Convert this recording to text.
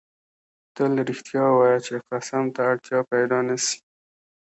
تل رښتیا وایه چی قسم ته اړتیا پیدا نه سي